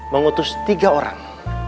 mengutus tiga orang